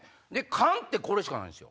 缶ってこれしかないんですよ。